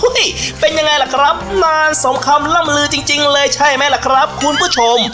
เป็นยังไงล่ะครับนานสมคำล่ำลือจริงเลยใช่ไหมล่ะครับคุณผู้ชม